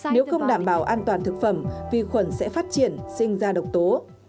nếu không đảm bảo an toàn thực phẩm vi khuẩn sẽ phát triển sinh ra độc tố